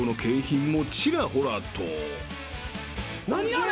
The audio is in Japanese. あれ！